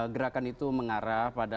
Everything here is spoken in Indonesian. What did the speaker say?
gerakan itu mengarah pada